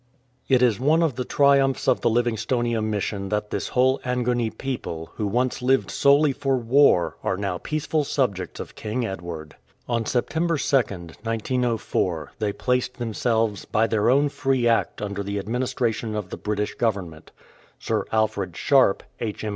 It is one of the triumphs of the Livingstonia Mission that this whole Angoni people, who once lived solely for war, are now peaceful subjects of King Edward. On September 2nd, 1904, they placed themselves by their own free act under the administration of the British Govern ment. Sir Alfred Sharpe, H.M.